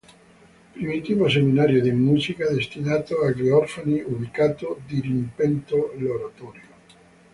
Primitivo seminario di musica destinato agli orfani ubicato dirimpetto l'oratorio.